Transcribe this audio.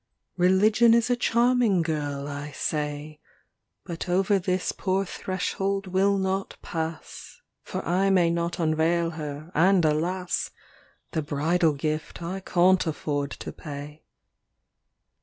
XXXVII Religion is a charming girl, I say ; But over this poor threshold will not pass, For I may not unveil her, and alas ! The bridal gift I canŌĆÖt afford to pay.